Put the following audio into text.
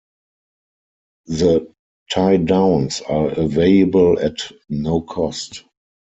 The tie downs are available at no cost.